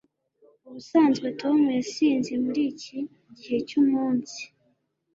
ubusanzwe tom yasinze muriki gihe cyumunsi